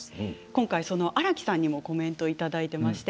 今回、新木さんにもコメントいただいています。